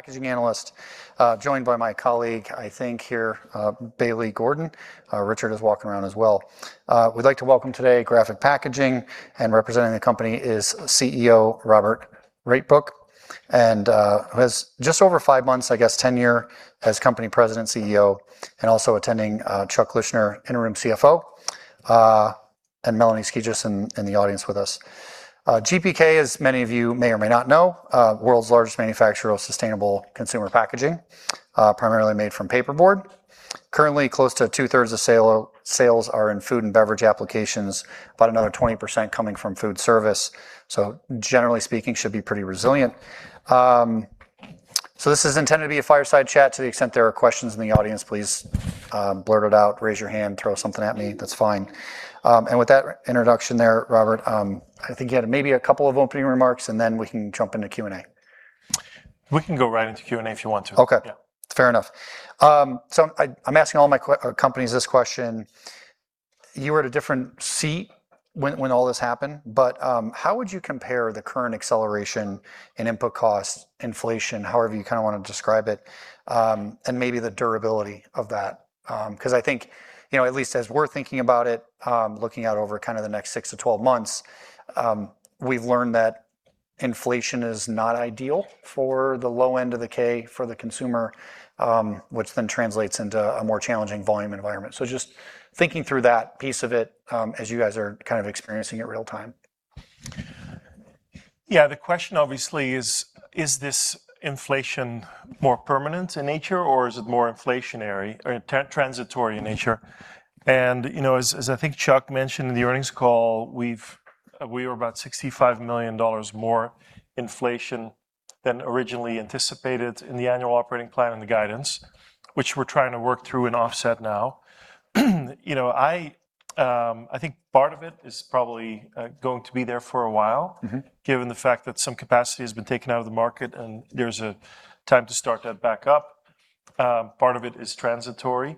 Packaging analyst. Joined by my colleague, I think here, Bailey Gordon. Richard is walking around as well. We'd like to welcome today Graphic Packaging, and representing the company is CEO Robbert Rietbroek, who has just over five months, I guess, tenure as company president CEO, and also attending, Chuck Lischer, interim CFO, and Melanie Skijus in the audience with us. GPK, as many of you may or may not know, world's largest manufacturer of sustainable consumer packaging, primarily made from paperboard. Currently close to two thirds of sales are in food and beverage applications. About another 20% coming from food service, generally speaking, should be pretty resilient. This is intended to be a fireside chat. To the extent there are questions in the audience, please blurt it out, raise your hand, throw something at me. That's fine. With that introduction there, Robbert, I think you had maybe a couple of opening remarks, and then we can jump into Q&A. We can go right into Q&A if you want to. Okay. Yeah. Fair enough. I'm asking all my companies this question. You were at a different seat when all this happened, but how would you compare the current acceleration in input costs, inflation, however you kind of want to describe it, and maybe the durability of that? Because I think at least as we're thinking about it, looking out over kind of the next 6-12 months, we've learned that inflation is not ideal for the low end of the K for the consumer, which then translates into a more challenging volume environment. Just thinking through that piece of it as you guys are kind of experiencing it real time. Yeah. The question obviously is this inflation more permanent in nature, or is it more inflationary or transitory in nature? As I think Chuck mentioned in the earnings call, we were about $65 million more inflation than originally anticipated in the annual operating plan and the guidance, which we're trying to work through and offset now. I think part of it is probably going to be there for a while- given the fact that some capacity has been taken out of the market, and there's a time to start that back up. Part of it is transitory.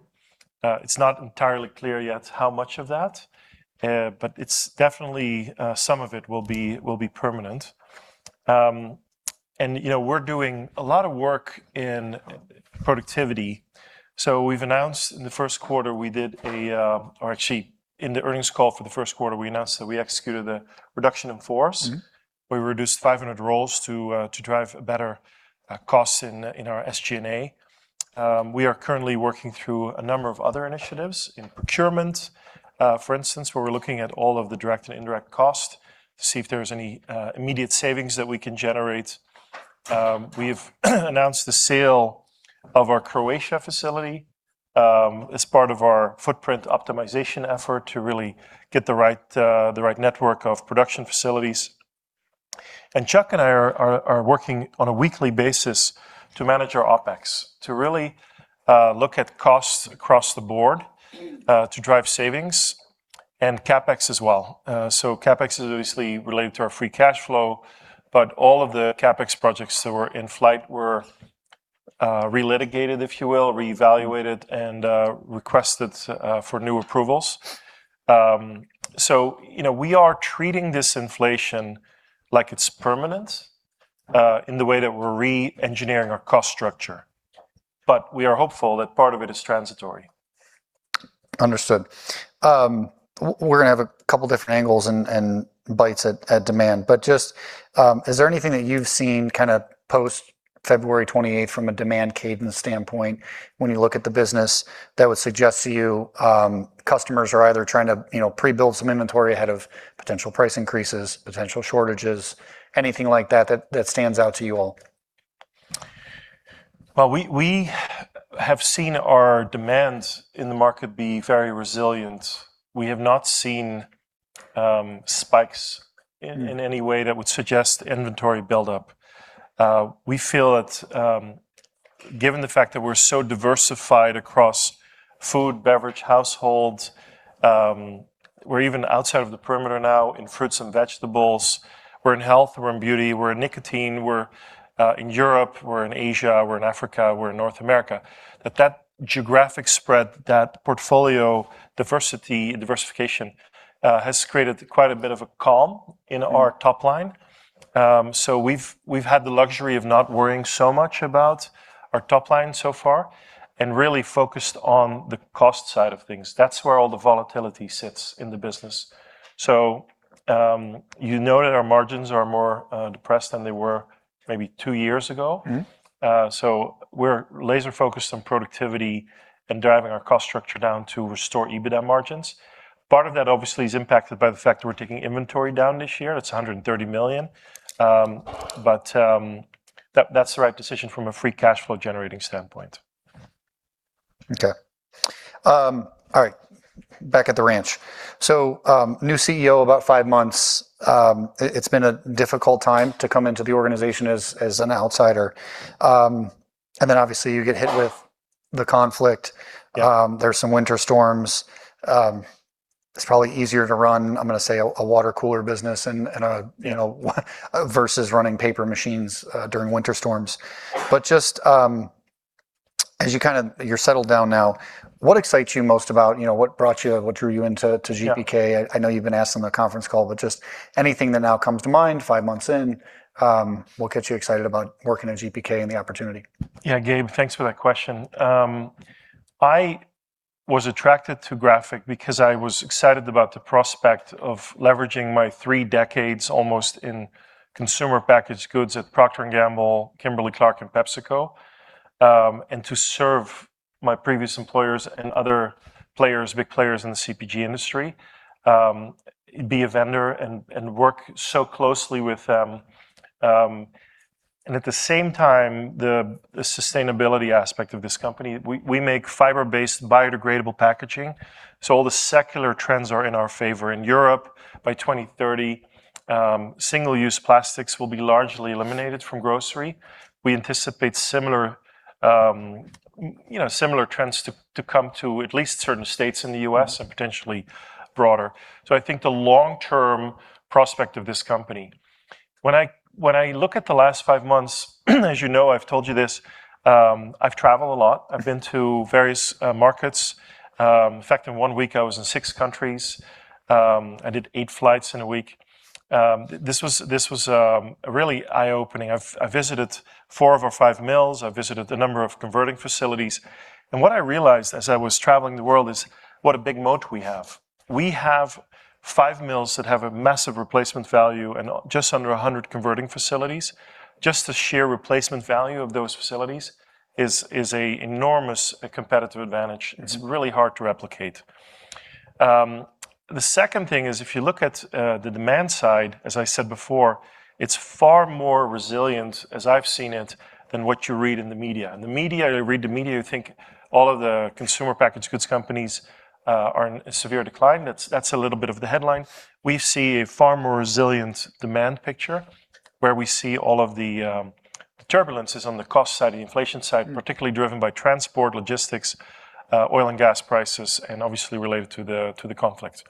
It's not entirely clear yet how much of that, but definitely some of it will be permanent. We're doing a lot of work in productivity, so we've announced in the first quarter, in the earnings call for the first quarter, we announced that we executed a reduction in force. We reduced 500 roles to drive better costs in our SG&A. We are currently working through a number of other initiatives in procurement. For instance, where we're looking at all of the direct and indirect cost to see if there's any immediate savings that we can generate. We've announced the sale of our Croatia facility, as part of our footprint optimization effort to really get the right network of production facilities. Chuck and I are working on a weekly basis to manage our Opex, to really look at costs across the board to drive savings, and CapEx as well. CapEx is obviously related to our free cash flow, but all of the CapEx projects that were in flight were re-litigated, if you will, reevaluated and requested for new approvals. We are treating this inflation like it's permanent in the way that we're re-engineering our cost structure, but we are hopeful that part of it is transitory. Understood. We're going to have a couple different angles and bites at demand, is there anything that you've seen kind of post February 28th from a demand cadence standpoint when you look at the business that would suggest to you customers are either trying to pre-build some inventory ahead of potential price increases, potential shortages, anything like that that stands out to you all? We have seen our demands in the market be very resilient. We have not seen spikes in any way that would suggest inventory buildup. We feel that given the fact that we're so diversified across food, beverage, household, we're even outside of the perimeter now in fruits and vegetables. We're in health, we're in beauty, we're in nicotine, we're in Europe, we're in Asia, we're in Africa, we're in North America. That geographic spread, that portfolio diversification, has created quite a bit of a calm in our top line. We've had the luxury of not worrying so much about our top line so far and really focused on the cost side of things. That's where all the volatility sits in the business. You know that our margins are more depressed than they were maybe two years ago. We're laser focused on productivity and driving our cost structure down to restore EBITDA margins. Part of that obviously is impacted by the fact that we're taking inventory down this year. It's $130 million. That's the right decision from a free cash flow generating standpoint. Okay. All right. Back at the ranch. New CEO, about five months. It's been a difficult time to come into the organization as an outsider, obviously you get hit with the conflict. Yeah. There's some winter storms. It's probably easier to run, I'm going to say, a water cooler business and a Versus running paper machines during winter storms. As you're settled down now, what excites you most about what brought you, what drew you into GPK? Yeah. I know you've been asked on the conference call, anything that now comes to mind, five months in, what gets you excited about working at GPK and the opportunity? Gabe, thanks for that question. I was attracted to Graphic because I was excited about the prospect of leveraging my three decades almost in consumer packaged goods at Procter & Gamble, Kimberly-Clark, and PepsiCo, and to serve my previous employers and other big players in the CPG industry, be a vendor, and work so closely with them. At the same time, the sustainability aspect of this company. We make fiber-based biodegradable packaging, all the secular trends are in our favor. In Europe, by 2030, single-use plastics will be largely eliminated from grocery. We anticipate similar trends to come to at least certain states in the U.S. and potentially broader. I think the long-term prospect of this company. When I look at the last five months, as you know, I've told you this, I've traveled a lot. I've been to various markets. In fact, in one week, I was in six countries. I did eight flights in a week. This was really eye-opening. I've visited four of our five mills. I've visited a number of converting facilities. What I realized as I was traveling the world is what a big moat we have. We have five mills that have a massive replacement value and just under 100 converting facilities. Just the sheer replacement value of those facilities is a enormous competitive advantage. It's really hard to replicate. The second thing is, if you look at the demand side, as I said before, it's far more resilient, as I've seen it, than what you read in the media. The media, you read the media, you think all of the consumer packaged goods companies are in a severe decline. That's a little bit of the headline. We see a far more resilient demand picture, where we see all of the turbulence is on the cost side, the inflation side- Particularly driven by transport, logistics, oil and gas prices, and obviously related to the conflict.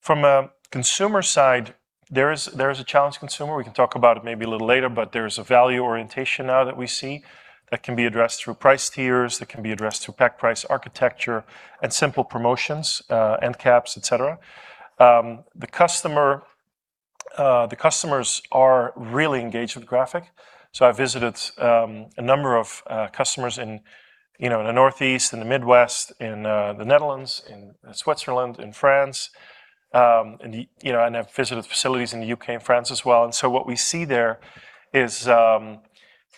From a consumer side, there is a challenge consumer, we can talk about it maybe a little later, but there is a value orientation now that we see that can be addressed through price tiers, that can be addressed through pack price architecture and simple promotions, end caps, et cetera. The customers are really engaged with Graphic. I visited a number of customers in the Northeast and the Midwest, in the Netherlands, in Switzerland, in France. I've visited facilities in the U.K. and France as well. What we see there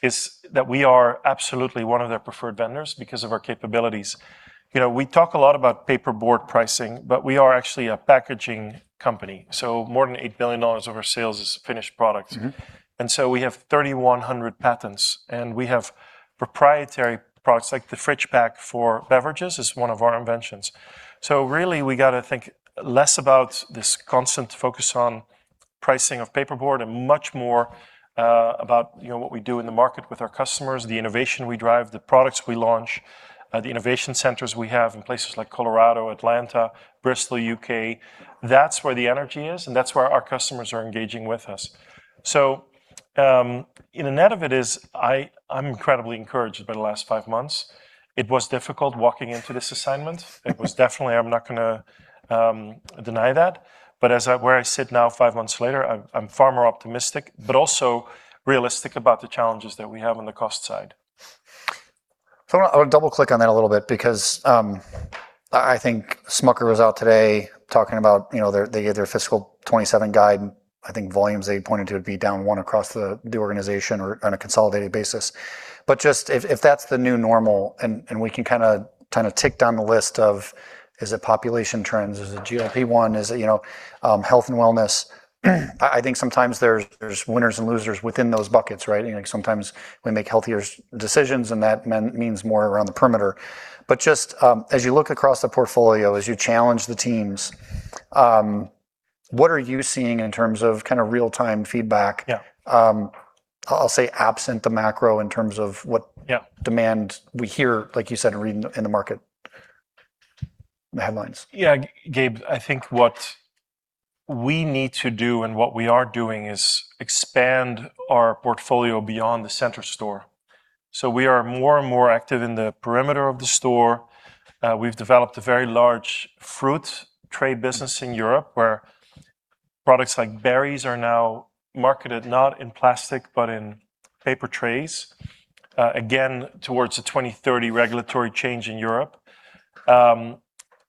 is that we are absolutely one of their preferred vendors because of our capabilities. We talk a lot about paperboard pricing, but we are actually a packaging company, so more than $8 billion of our sales is finished product. We have 3,100 patents, and we have proprietary products, like the Fridge-Pak for beverages is one of our inventions. Really, we got to think less about this constant focus on pricing of paperboard and much more about what we do in the market with our customers, the innovation we drive, the products we launch, the innovation centers we have in places like Colorado, Atlanta, Bristol, U.K. That's where the energy is, and that's where our customers are engaging with us. The net of it is I'm incredibly encouraged by the last five months. It was difficult walking into this assignment. It was definitely, I'm not going to deny that. As where I sit now, five months later, I'm far more optimistic, but also realistic about the challenges that we have on the cost side. I want to double-click on that a little bit because I think Smucker was out today talking about, they gave their fiscal 2027 guide, and I think volumes they pointed to would be down one across the organization or on a consolidated basis. Just, if that's the new normal and we can kind of tick down the list of, is it population trends? Is it GLP-1? Is it health and wellness? I think sometimes there's winners and losers within those buckets, right? Sometimes we make healthier decisions, and that means more around the perimeter. Just as you look across the portfolio, as you challenge the teams, what are you seeing in terms of real-time feedback- Yeah I'll say absent the macro in terms of. Yeah demand we hear, like you said, reading in the market, the headlines. Gabe, I think what we need to do and what we are doing is expand our portfolio beyond the center store. We are more and more active in the perimeter of the store. We've developed a very large fruit tray business in Europe, where products like berries are now marketed not in plastic, but in paper trays. Again, towards the 2030 regulatory change in Europe.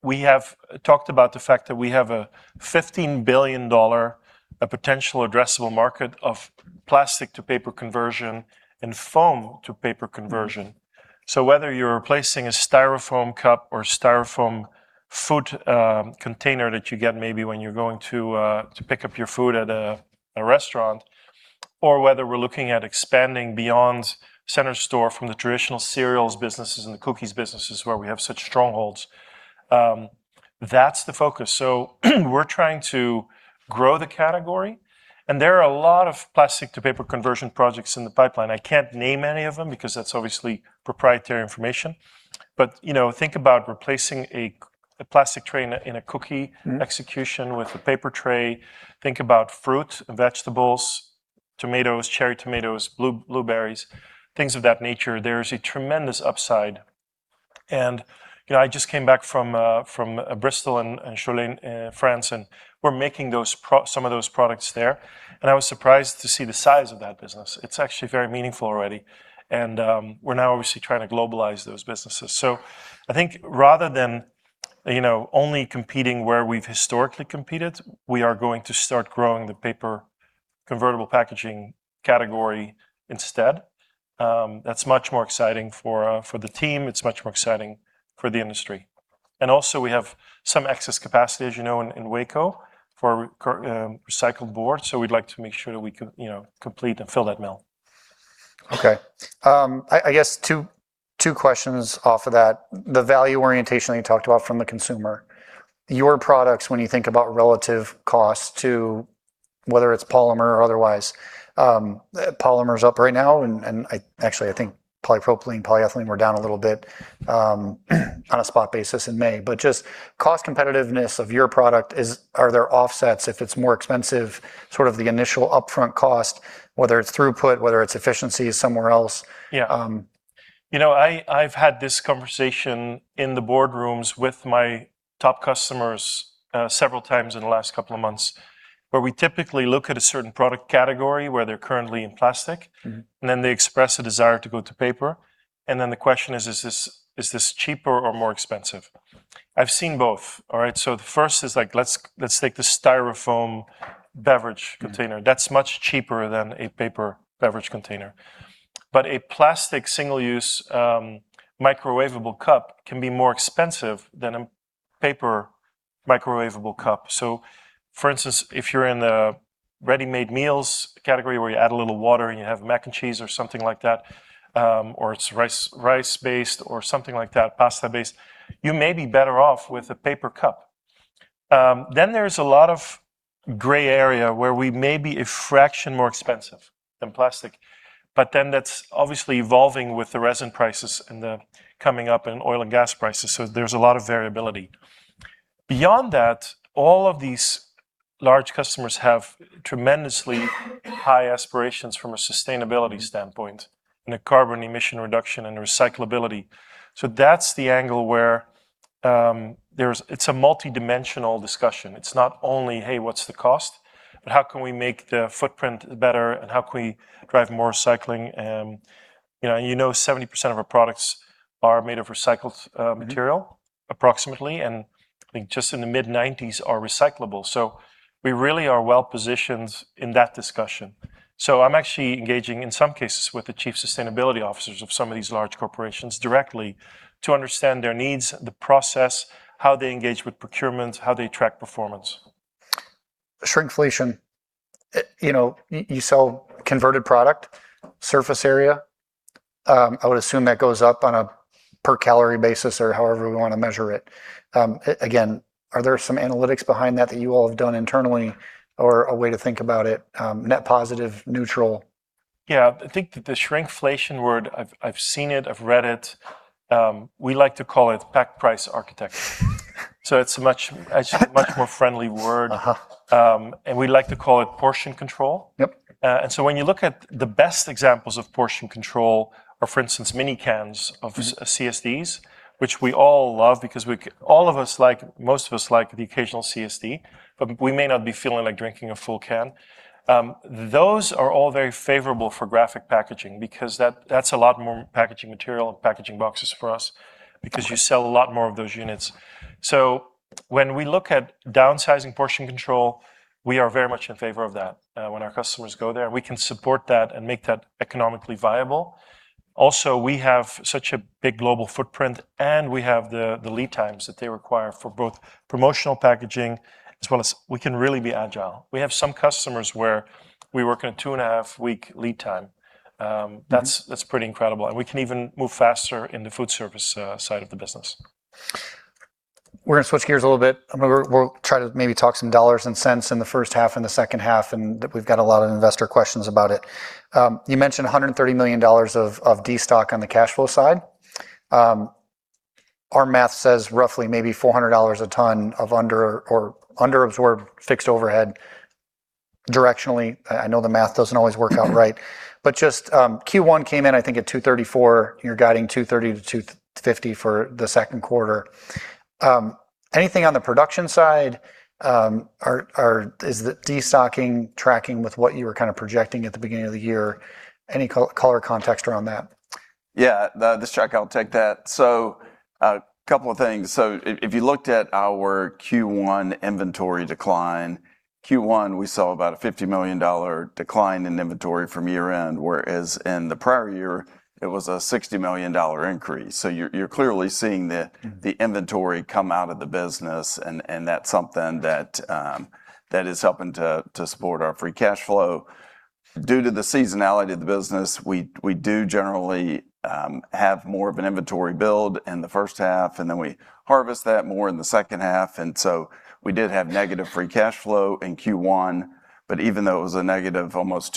We have talked about the fact that we have a $15 billion potential addressable market of plastic-to-paper conversion and foam-to-paper conversion. Whether you're replacing a styrofoam cup or styrofoam food container that you get maybe when you're going to pick up your food at a restaurant, or whether we're looking at expanding beyond center store from the traditional cereals businesses and the cookies businesses where we have such strongholds, that's the focus. We're trying to grow the category, and there are a lot of plastic-to-paper conversion projects in the pipeline. I can't name any of them because that's obviously proprietary information. Think about replacing a plastic tray in a execution with a paper tray. Think about fruit, vegetables, tomatoes, cherry tomatoes, blueberries, things of that nature. There's a tremendous upside. I just came back from Bristol and Chaulnes, France, and we're making some of those products there, and I was surprised to see the size of that business. It's actually very meaningful already. We're now obviously trying to globalize those businesses. I think rather than only competing where we've historically competed, we are going to start growing the paper convertible packaging category instead. That's much more exciting for the team. It's much more exciting for the industry. Also, we have some excess capacity, as you know, in Waco for recycled board, so we'd like to make sure that we complete and fill that mill. Okay. I guess two questions off of that. The value orientation that you talked about from the consumer, your products, when you think about relative cost to whether it's polymer or otherwise, polymer's up right now, and actually, I think polypropylene, polyethylene were down a little bit on a spot basis in May. Just cost competitiveness of your product, are there offsets if it's more expensive, sort of the initial upfront cost, whether it's throughput, whether it's efficiency somewhere else? Yeah. I've had this conversation in the boardrooms with my top customers several times in the last couple of months, where we typically look at a certain product category where they're currently in plastic- They express a desire to go to paper, then the question is this cheaper or more expensive? I've seen both. All right. The first is, let's take the Styrofoam beverage container. A plastic single-use microwavable cup can be more expensive than a paper microwavable cup. For instance, if you're in the ready-made meals category where you add a little water and you have mac and cheese or something like that, or it's rice-based or something like that, pasta based, you may be better off with a paper cup. There's a lot of gray area where we may be a fraction more expensive than plastic, that's obviously evolving with the resin prices and coming up in oil and gas prices, there's a lot of variability. Beyond that, all of these large customers have tremendously high aspirations from a sustainability standpoint in a carbon emission reduction and recyclability. That's the angle where it's a multidimensional discussion. It's not only, hey, what's the cost, how can we make the footprint better and how can we drive more recycling? You know 70% of our products are made of recycled material. Approximately, I think just in the mid-90s are recyclable. We really are well positioned in that discussion. I'm actually engaging, in some cases, with the Chief Sustainability Officers of some of these large corporations directly to understand their needs, the process, how they engage with procurement, how they track performance. Shrinkflation. You sell converted product surface area. I would assume that goes up on a per calorie basis or however we want to measure it. Are there some analytics behind that that you all have done internally or a way to think about it, net positive, neutral? Yeah. I think that the shrinkflation word, I've seen it, I've read it. We like to call it pack price architecture. It's actually a much more friendly word. We like to call it portion control. Yep. When you look at the best examples of portion control are, for instance, mini cans of. CSDs, which we all love because all of us like, most of us like the occasional CSD, but we may not be feeling like drinking a full can. Those are all very favorable for Graphic Packaging because that's a lot more packaging material and packaging boxes for us because you sell a lot more of those units. When we look at downsizing portion control, we are very much in favor of that. When our customers go there, we can support that and make that economically viable. Also, we have such a big global footprint, and we have the lead times that they require for both promotional packaging as well as we can really be agile. We have some customers where we work on a two-and-a-half week lead time. That's pretty incredible. We can even move faster in the food service side of the business. We're going to switch gears a little bit. We'll try to maybe talk some dollars and cents in the first half and the second half. We've got a lot of investor questions about it. You mentioned $130 million of de-stock on the cash flow side. Our math says roughly maybe $400 a ton of under-absorbed fixed overhead directionally. I know the math doesn't always work out right. Just Q1 came in, I think, at 234, and you're guiding 230 to 250 for the second quarter. Anything on the production side? Is the de-stocking tracking with what you were kind of projecting at the beginning of the year? Any color or context around that? Yeah. This is Chuck. I'll take that. A couple of things. If you looked at our Q1 inventory decline, Q1, we saw about a $50 million decline in inventory from year-end, whereas in the prior year, it was a $60 million increase. You're clearly seeing the inventory come out of the business, and that's something that is helping to support our free cash flow. Due to the seasonality of the business, we do generally have more of an inventory build in the first half, and then we harvest that more in the second half. Even though it was a negative almost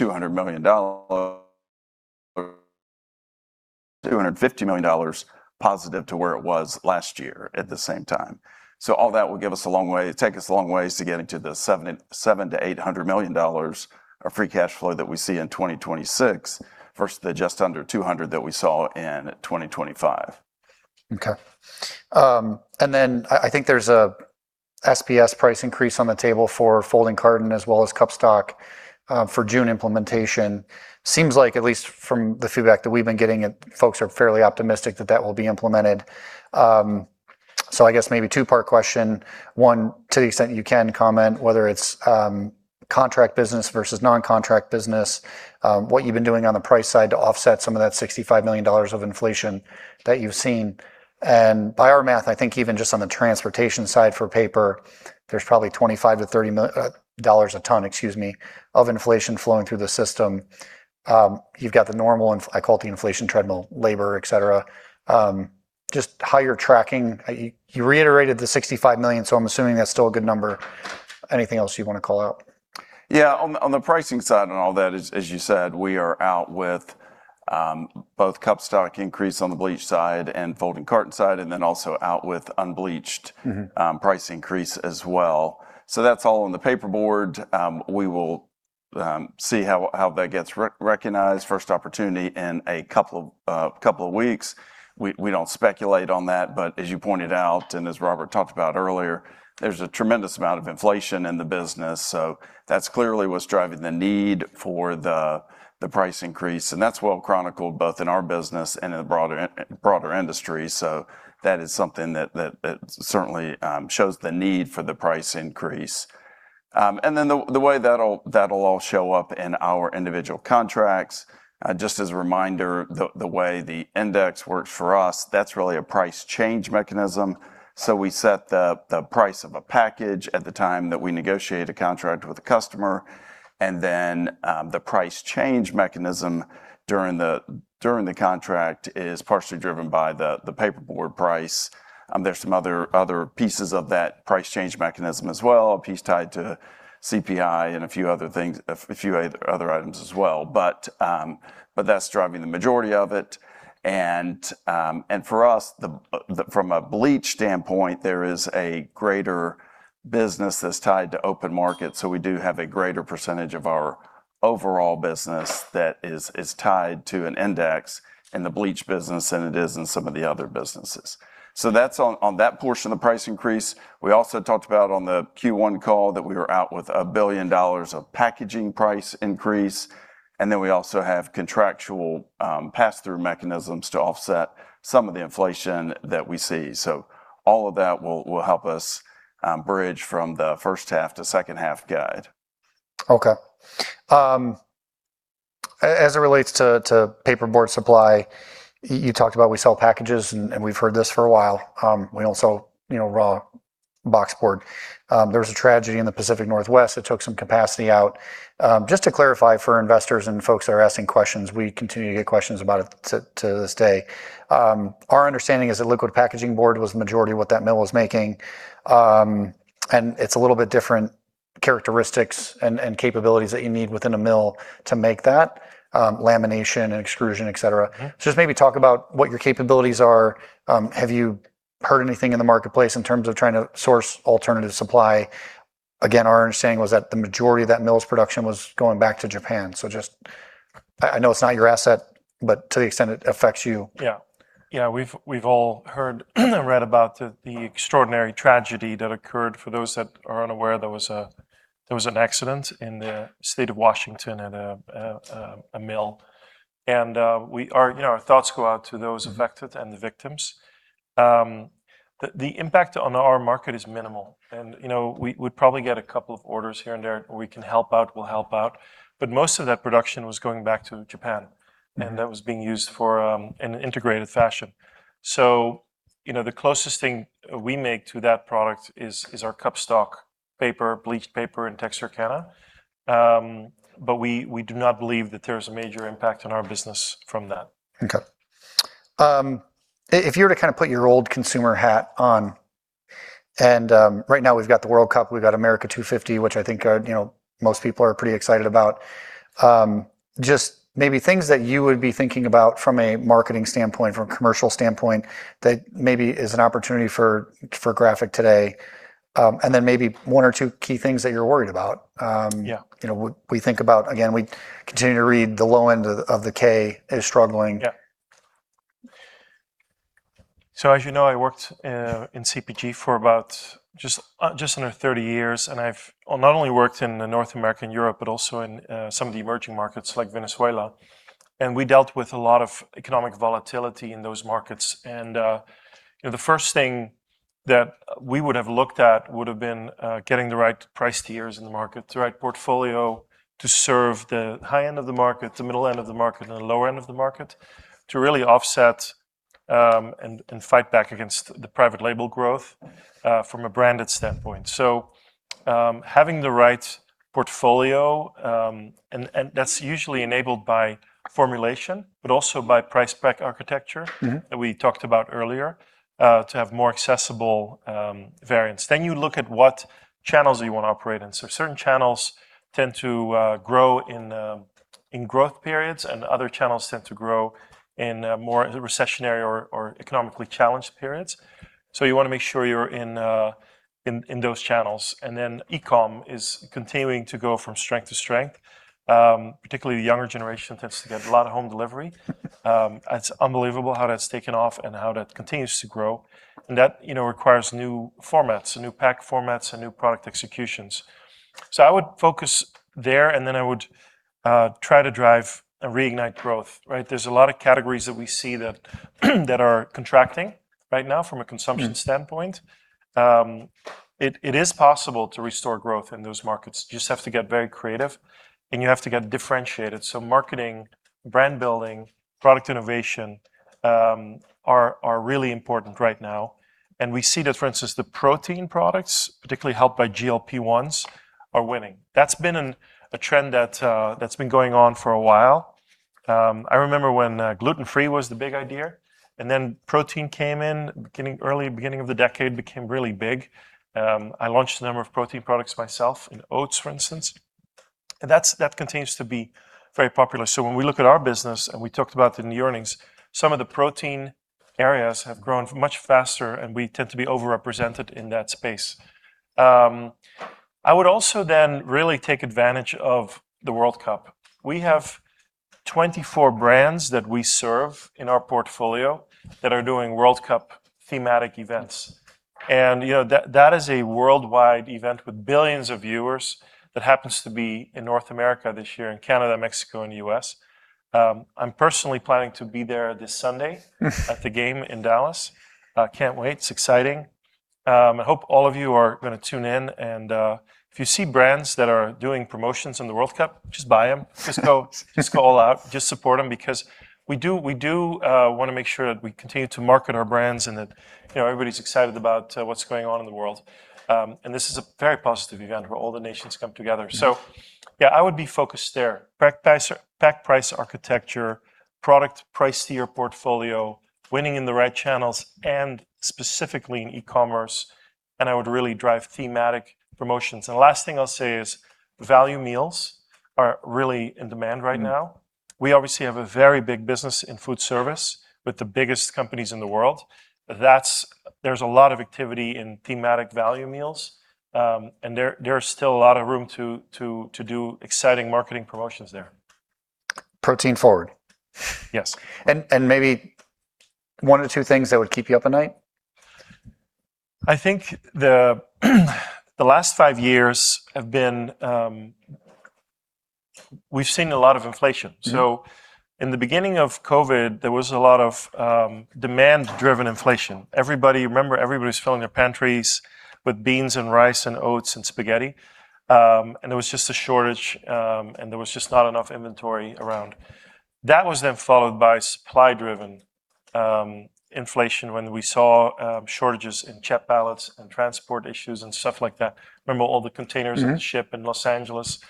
$250 million positive to where it was last year at the same time. All that will take us a long way to getting to the $700 million-$800 million of free cash flow that we see in 2026 versus the just under $200 million that we saw in 2025. Okay. I think there's a SBS price increase on the table for folding carton as well as cup stock for June implementation. Seems like, at least from the feedback that we've been getting, folks are fairly optimistic that that will be implemented. I guess maybe two-part question. One, to the extent you can comment whether it's contract business versus non-contract business, what you've been doing on the price side to offset some of that $65 million of inflation that you've seen. By our math, I think even just on the transportation side for paper, there's probably $25-$30 a ton, excuse me, of inflation flowing through the system. You've got the normal, I call it the inflation treadmill, labor, et cetera. Just how you're tracking. You reiterated the $65 million, so I'm assuming that's still a good number. Anything else you want to call out? Yeah. On the pricing side and all that, as you said, we are out with both cup stock increase on the bleach side and folding carton side, also out with unbleached price increase as well. That's all on the paperboard. We will see how that gets recognized, first opportunity in a couple of weeks. We don't speculate on that, as you pointed out, and as Robbert talked about earlier, there's a tremendous amount of inflation in the business. That's clearly what's driving the need for the price increase, and that's well-chronicled both in our business and in the broader industry. That is something that certainly shows the need for the price increase. The way that'll all show up in our individual contracts, just as a reminder, the way the index works for us, that's really a price change mechanism. We set the price of a package at the time that we negotiate a contract with a customer, the price change mechanism during the contract is partially driven by the paperboard price. There's some other pieces of that price change mechanism as well, a piece tied to CPI and a few other items as well. That's driving the majority of it. For us, from a bleach standpoint, there is a greater business that's tied to open market, we do have a greater percentage of our overall business that is tied to an index in the bleach business than it is in some of the other businesses. That's on that portion of the price increase. We also talked about on the Q1 call that we are out with a $1 billion of packaging price increase. We also have contractual pass-through mechanisms to offset some of the inflation that we see. All of that will help us bridge from the first half to second half guide. As it relates to paperboard supply, you talked about we sell packages. We've heard this for a while. We don't sell raw boxboard. There was a tragedy in the Pacific Northwest that took some capacity out. To clarify for investors and folks that are asking questions, we continue to get questions about it to this day. Our understanding is that liquid packaging board was the majority of what that mill was making. It's a little bit different characteristics and capabilities that you need within a mill to make that, lamination and extrusion, et cetera. Maybe talk about what your capabilities are. Have you heard anything in the marketplace in terms of trying to source alternative supply? Our understanding was that the majority of that mill's production was going back to Japan. I know it's not your asset, but to the extent it affects you. We've all heard and read about the extraordinary tragedy that occurred. For those that are unaware, there was an accident in the state of Washington at a mill. Our thoughts go out to those affected and the victims. The impact on our market is minimal. We'd probably get a couple of orders here and there where we can help out, we'll help out. Most of that production was going back to Japan. That was being used in an integrated fashion. The closest thing we make to that product is our cup stock paper, bleached paper, and Texarkana. We do not believe that there's a major impact on our business from that. Okay. If you were to kind of put your old consumer hat on, right now we've got the World Cup, we've got America 250, which I think most people are pretty excited about. Just maybe things that you would be thinking about from a marketing standpoint, from a commercial standpoint, that maybe is an opportunity for Graphic today. Then maybe one or two key things that you're worried about. Yeah. We think about, again, we continue to read the low end of the K is struggling. Yeah. As you know, I worked in CPG for about just under 30 years, and I've not only worked in the North America and Europe, but also in some of the emerging markets like Venezuela. We dealt with a lot of economic volatility in those markets. The first thing that we would've looked at would've been getting the right price tiers in the market, the right portfolio to serve the high end of the market, the middle end of the market, and the lower end of the market, to really offset and fight back against the private label growth from a branded standpoint. Having the right portfolio, and that's usually enabled by formulation, but also by price pack architecture. that we talked about earlier, to have more accessible variants. You look at what channels you want to operate in. Certain channels tend to grow in. In growth periods and other channels tend to grow in more recessionary or economically challenged periods. You want to make sure you're in those channels. e-com is continuing to go from strength to strength. Particularly the younger generation tends to get a lot of home delivery. It's unbelievable how that's taken off and how that continues to grow, and that requires new formats, new pack formats, and new product executions. I would focus there, then I would try to drive and reignite growth, right. There's a lot of categories that we see that are contracting right now from a consumption standpoint. It is possible to restore growth in those markets. You just have to get very creative and you have to get differentiated. Marketing, brand building, product innovation are really important right now. We see that, for instance, the protein products, particularly helped by GLP-1s, are winning. That's been a trend that's been going on for a while. I remember when gluten-free was the big idea, protein came in early beginning of the decade, became really big. I launched a number of protein products myself in oats, for instance, and that continues to be very popular. When we look at our business, and we talked about it in the earnings, some of the protein areas have grown much faster, and we tend to be over-represented in that space. I would also then really take advantage of the World Cup. We have 24 brands that we serve in our portfolio that are doing World Cup thematic events, and that is a worldwide event with billions of viewers that happens to be in North America this year, in Canada, Mexico, and U.S. I'm personally planning to be there this Sunday at the game in Dallas. Can't wait. It's exciting. I hope all of you are going to tune in, and if you see brands that are doing promotions in the World Cup, just buy them. Just go all out. Just support them because we do want to make sure that we continue to market our brands and that everybody's excited about what's going on in the world. This is a very positive event where all the nations come together. Yeah, I would be focused there. Pack price architecture, product priced to your portfolio, winning in the right channels, specifically in e-commerce, I would really drive thematic promotions. The last thing I'll say is value meals are really in demand right now. We obviously have a very big business in food service with the biggest companies in the world. There's a lot of activity in thematic value meals, there is still a lot of room to do exciting marketing promotions there. Protein forward. Yes. Maybe one or two things that would keep you up at night? I think the last five years have been, we've seen a lot of inflation. In the beginning of COVID, there was a lot of demand-driven inflation. Remember, everybody's filling their pantries with beans and rice and oats and spaghetti, and there was just a shortage, and there was just not enough inventory around. That was then followed by supply-driven inflation when we saw shortages in shipping pallets and transport issues and stuff like that. Remember all the containers on the ship in Los Angeles.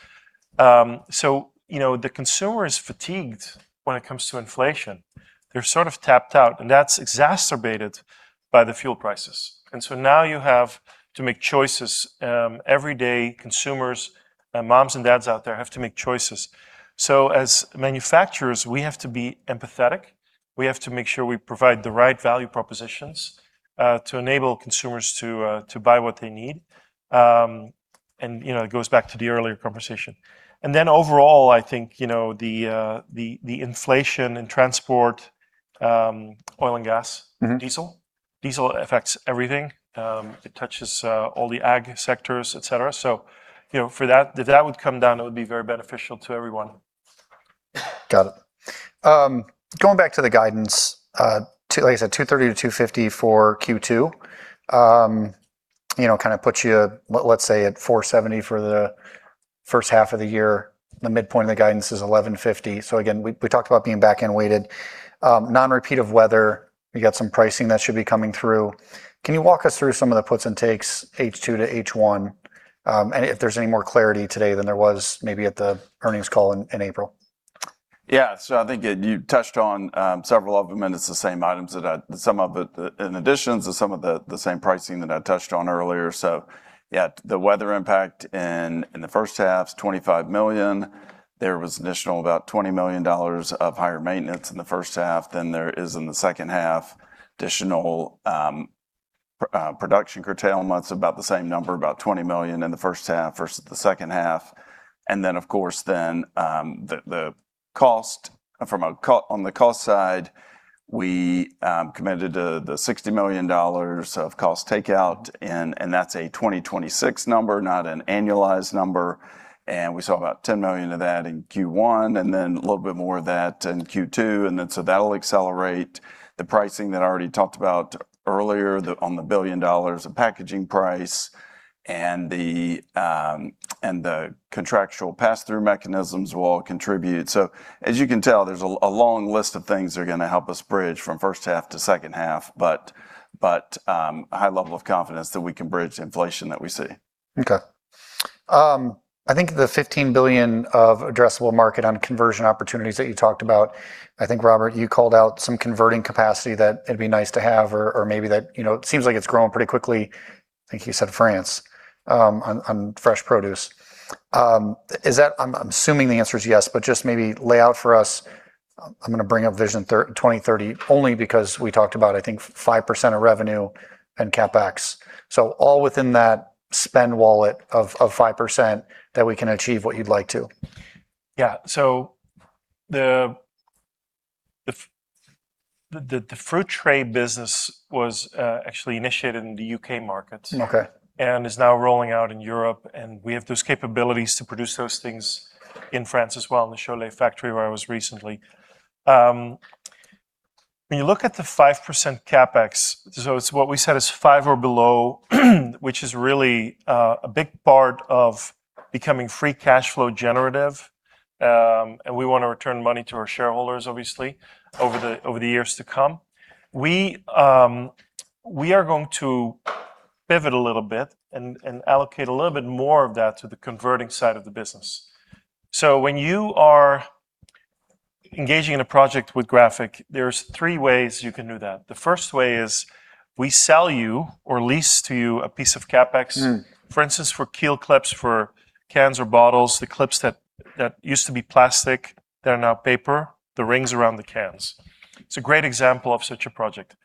The consumer is fatigued when it comes to inflation. They're sort of tapped out, and that's exacerbated by the fuel prices. Now you have to make choices. Everyday consumers, moms and dads out there, have to make choices. As manufacturers, we have to be empathetic. We have to make sure we provide the right value propositions to enable consumers to buy what they need. It goes back to the earlier conversation. Overall, I think the inflation in transport, oil and gas diesel. Diesel affects everything. It touches all the ag sectors, et cetera. If that would come down, it would be very beneficial to everyone. Got it. Going back to the guidance, like I said, $230 million-$250 million for Q2. Kind of puts you, let's say, at $470 million for the first half of the year. The midpoint of the guidance is $1,150 million. Again, we talked about being back end-weighted. Non-repeat of weather, you got some pricing that should be coming through. Can you walk us through some of the puts and takes, H2 to H1, and if there's any more clarity today than there was maybe at the earnings call in April? Yeah. I think you touched on several of them, and it's the same items, some of it in additions and some of the same pricing that I touched on earlier. Yeah, the weather impact in the first half is $25 million. There was additional about $20 million of higher maintenance in the first half than there is in the second half. Additional production curtailments, about the same number, about $20 million in the first half versus the second half. Of course, on the cost side, we committed to the $60 million of cost takeout, and that's a 2026 number, not an annualized number, and we saw about $10 million of that in Q1, and then a little bit more of that in Q2. That'll accelerate the pricing that I already talked about earlier on the $1 billion, the packaging price, and the contractual pass-through mechanisms will all contribute. As you can tell, there's a long list of things that are going to help us bridge from first half to second half, but a high level of confidence that we can bridge the inflation that we see. Okay. I think the $15 billion of addressable market on conversion opportunities that you talked about, I think, Robbert, you called out some converting capacity that it'd be nice to have or maybe that it seems like it's growing pretty quickly. I think you said France on fresh produce. I'm assuming the answer is yes, but just maybe lay out for us, I'm going to bring up Vision 2030 only because we talked about, I think, 5% of revenue and CapEx. All within that spend wallet of 5% that we can achieve what you'd like to. Yeah. The fruit tray business was actually initiated in the U.K. market. Okay. Is now rolling out in Europe, and we have those capabilities to produce those things in France as well, in the Chaulnes factory, where I was recently. When you look at the 5% CapEx, it's what we said is five or below, which is really a big part of becoming free cash flow generative. We want to return money to our shareholders, obviously, over the years to come. We are going to pivot a little bit and allocate a little bit more of that to the converting side of the business. When you are engaging in a project with Graphic, there's three ways you can do that. The first way is we sell you or lease to you a piece of CapEx. For instance, for KeelClip for cans or bottles, the clips that used to be plastic, they're now paper, the rings around the cans. It's a great example of such a project.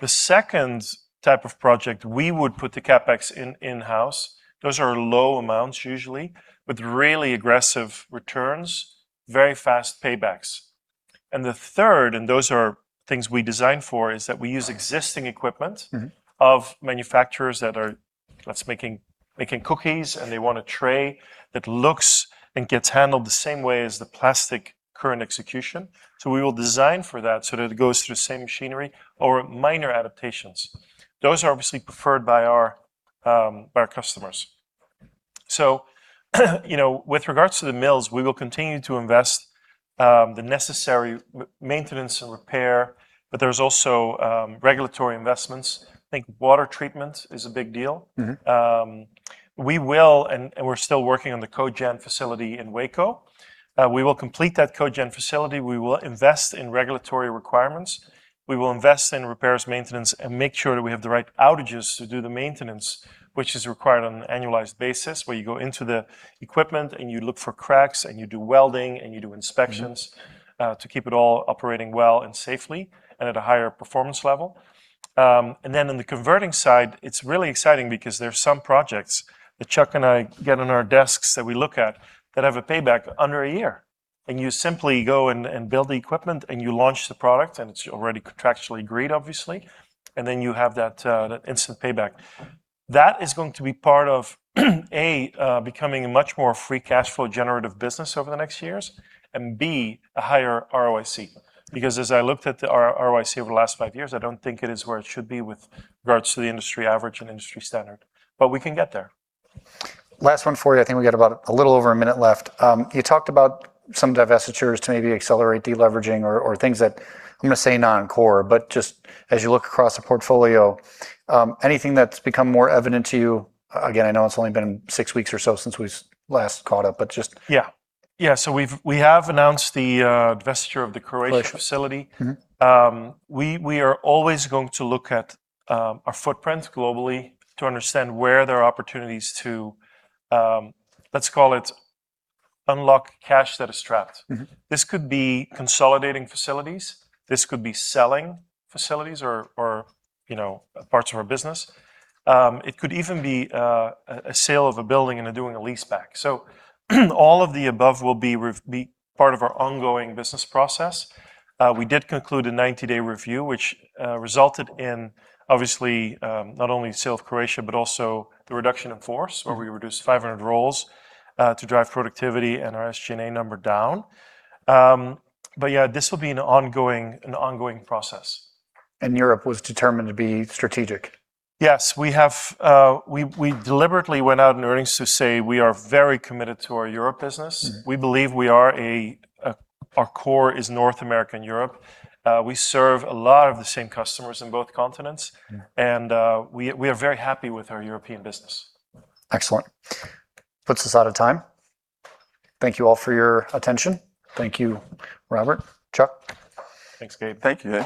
The second type of project, we would put the CapEx in-house. Those are low amounts usually, with really aggressive returns, very fast paybacks. The third, and those are things we design for, is that we use existing equipment. Of manufacturers that's making cookies, and they want a tray that looks and gets handled the same way as the plastic current execution. We will design for that so that it goes through the same machinery or minor adaptations. Those are obviously preferred by our customers. With regards to the mills, we will continue to invest the necessary maintenance and repair, but there's also regulatory investments. I think water treatment is a big deal. We're still working on the cogen facility in Waco. We will complete that cogen facility. We will invest in regulatory requirements. We will invest in repairs, maintenance, and make sure that we have the right outages to do the maintenance, which is required on an annualized basis, where you go into the equipment, and you look for cracks, and you do welding, and you do inspections. To keep it all operating well and safely and at a higher performance level. In the converting side, it's really exciting because there's some projects that Chuck and I get on our desks that we look at that have a payback under a year. You simply go and build the equipment, and you launch the product, and it's already contractually agreed, obviously. You have that instant payback. That is going to be part of, A, becoming a much more free cash flow generative business over the next years, and B, a higher ROIC. As I looked at the ROIC over the last five years, I don't think it is where it should be with regards to the industry average and industry standard. We can get there. Last one for you. I think we got about a little over a minute left. You talked about some divestitures to maybe accelerate deleveraging or things that, I'm going to say non-core, but just as you look across the portfolio, anything that's become more evident to you? Again, I know it's only been six weeks or so since we last caught up. Yeah. We have announced the divestiture of the Croatia facility. Croatia. We are always going to look at our footprint globally to understand where there are opportunities to, let's call it unlock cash that is trapped. This could be consolidating facilities. This could be selling facilities or parts of our business. It could even be a sale of a building and doing a leaseback. All of the above will be part of our ongoing business process. We did conclude a 90-day review, which resulted in, obviously, not only the sale of Croatia, but also the reduction in force, where we reduced 500 roles to drive productivity and our SG&A number down. Yeah, this will be an ongoing process. Europe was determined to be strategic. Yes. We deliberately went out in earnings to say we are very committed to our Europe business. We believe our core is North America and Europe. We serve a lot of the same customers in both continents. We are very happy with our European business. Excellent. Puts us out of time. Thank you all for your attention. Thank you, Robbert, Chuck. Thanks, Gabe. Thank you.